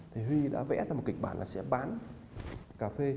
thì huy đã vẽ ra một kịch bản là sẽ bán cà phê